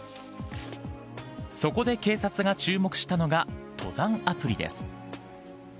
そこで警察が注目したのが登山アプリです。